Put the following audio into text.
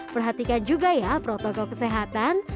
perhatikan juga ya protokol kesehatan